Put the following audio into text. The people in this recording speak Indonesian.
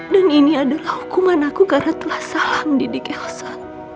dan ini adalah hukuman aku karena telah salah mendidik elsa